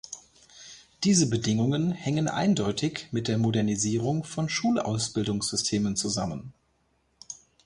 Diese Bedingungen hängen eindeutig mit der Modernisierung von Schulausbildungssystemen zusammen.